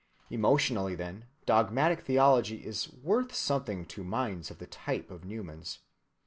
Emotionally, then, dogmatic theology is worth something to minds of the type of Newman's.